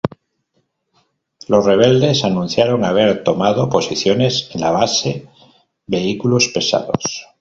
Los rebeldes anunciaron haber tomado posiciones en la base vehículos pesados.